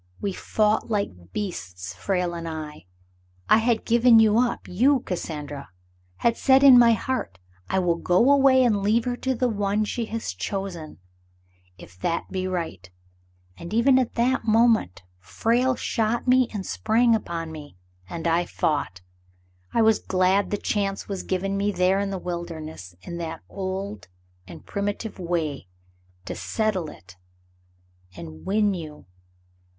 We fought like beasts — Frale and I. I had given you up — you — Cassandra; had said in *my heart, *I will go away and leave her to the one she has chosen, if that be right,' and even at that moment, Frale shot me and sprang upon me, and I fought. I was glad the chance was given me there in the wilderness in that old and primi tive way, to settle it and win you.